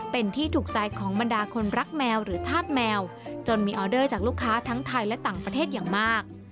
เป็นที่ถูกใจของบรรดาคนรักแมวหรือธาตุแมวจนมีออเดอร์จากลูกค้าทั้งไทยและต่างประเทศอย่างมาก